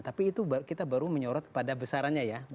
tapi itu kita baru menyorot pada besarannya ya